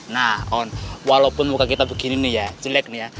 nah on walaupun muka kita begini nih ya jelek nih ya